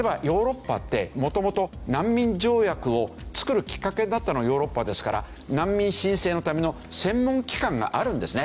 元々難民条約を作るきっかけだったのはヨーロッパですから難民申請のための専門機関があるんですね。